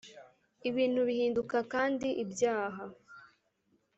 ibintu bihinduka kandi ibyaha